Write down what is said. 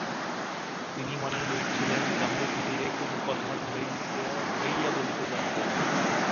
তিনি মানী লোক ছিলেন, কাহারো খাতিরে কোনো কথা ঘুরাইয়া বলিতে জানিতেন না।